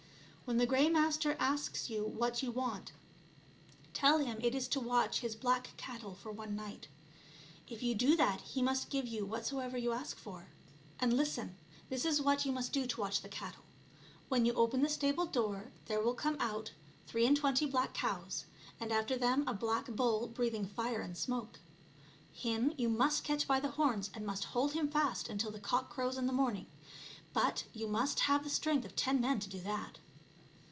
When the Grey Master asks you what you want, tell him it is to watch his black cattle for one night. If you do that he must give you whatsoever you ask for. And listen ; this is what \ftfw\^%9b cornet^ to% 98 ONE GOOD TURN DESERVES ANOTHER. you must do to watch the cattle. When you open the stable door there will come out three and twenty black cows, and after them a black bull breathing fire and smoke. Him you must catch by the horns and must hold him fast until the cock crows in the morning. But you must have the strength of ten men to do that."